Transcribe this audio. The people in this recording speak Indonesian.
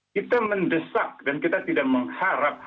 kita mendesak dan kita tidak mengharap